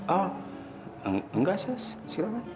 oh nggak sus silahkan